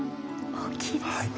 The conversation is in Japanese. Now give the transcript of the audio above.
大きいです。